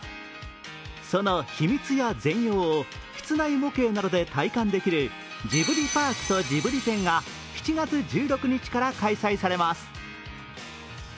その秘密や全容を室内模型などで体感できる「ジブリパークとジブリ展」が７月１６日から開催されます。